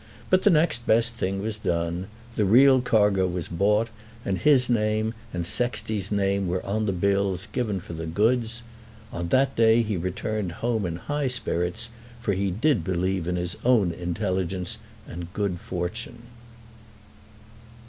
But the next best thing was done. The real cargo was bought, and his name and Sexty's name were on the bills given for the goods. On that day he returned home in high spirits, for he did believe in his own intelligence and good fortune.